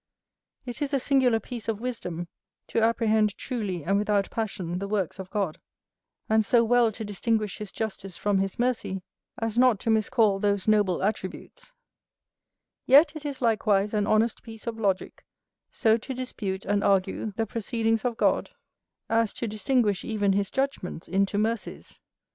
It is a singular piece of wisdom to apprehend truly, and without passion, the works of God, and so well to distinguish his justice from his mercy as not to miscall those noble attributes; yet it is likewise an honest piece of logick so to dispute and argue the proceedings of God as to distinguish even his judgments into mercies.